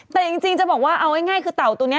แต่จริงจะบอกว่าเอาง่ายคือเต่าตัวนี้